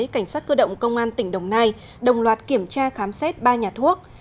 cảnh sát cơ động công an tỉnh đồng nai đồng loạt kiểm tra khám xét ba nhà thuốc